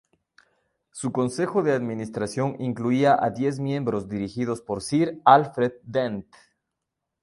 Su Consejo de Administración incluía a diez miembros dirigidos por Sir Alfred Dent.